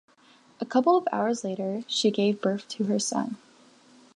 A couple of hours later, she gave birth to her son.